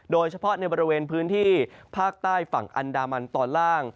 โดยเฉพาะในบริเวณพื้นที่ภาคใต้ฝั่งอันดามันตอนล่าง